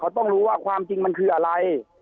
ต้องรู้ว่าความจริงมันคืออะไร